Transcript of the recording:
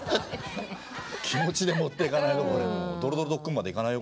気持ちで持っていかないと「ドロドロドックン」までいかないよ